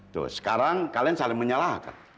tuh sekarang kalian saling menyalahkan